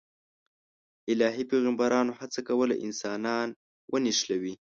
الهي پیغمبرانو هڅه کوله انسانان ونښلوي.